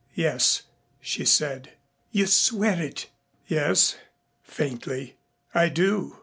"Yes," she said. "You swear it?" "Yes," faintly, "I do."